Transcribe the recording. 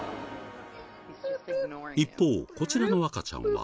一方こちらの赤ちゃんは。